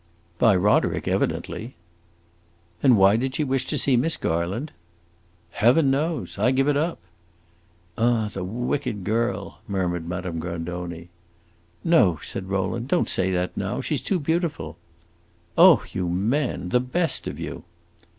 "By Roderick, evidently." "And why did she wish to see Miss Garland?" "Heaven knows! I give it up!" "Ah, the wicked girl!" murmured Madame Grandoni. "No," said Rowland; "don't say that now. She 's too beautiful." "Oh, you men! The best of you!"